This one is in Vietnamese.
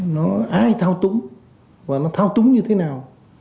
nó ai thao túng và nó thao túng như thế nào